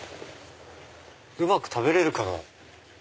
うまく食べれるかな。